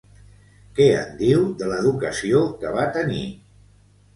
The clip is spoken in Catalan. Què en diu, de l'educació que va tenir?